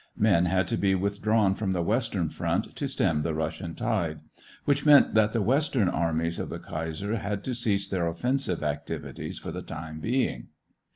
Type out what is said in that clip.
Men had to be withdrawn from the western front to stem the Russian tide, which meant that the western armies of the kaiser had to cease their offensive activities for the time being.